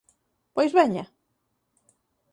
Pois veña!